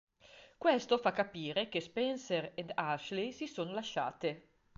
Questo fa capire che Spencer ed Ashley si sono lasciate.